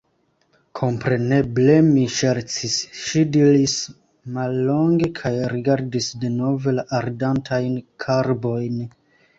Kompreneble, mi ŝercis, ŝi diris mallonge kaj rigardis denove la ardantajn karbojn.